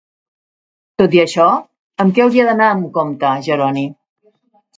Tot i això, amb què hauria d'anar amb compte Jeroni?